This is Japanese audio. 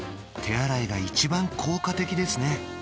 手洗いが一番効果的ですね